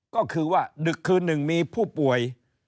ก็คือว่าดึกคืนหนึ่งมีผู้ป่วย